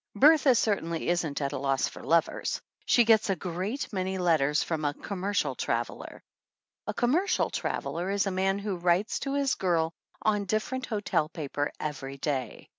Bertha certainly isn't at a loss for lovers. She gets a great many letters from a "commercial traveler." A "commercial traveler" is a man who writes to his girl on dif ferent hotel paper every day.